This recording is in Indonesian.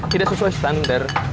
tidak sesuai standar